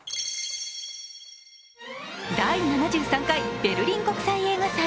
第７３回ベルリン国際映画祭。